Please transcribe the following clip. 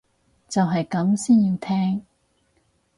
就係咁先要聽